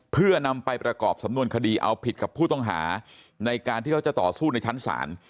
เพื่อนำไปประกอบสำนวนคดีเอาผิดกับผู้ต้องหาในการที่เขาจะต่อสู้ในชั้นศาล